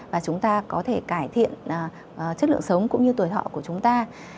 và chúng ta có thể cải thiện chất lượng sống cũng như tuổi thọ của chúng ta